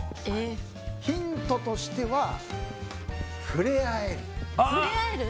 ヒントとしては、触れ合える。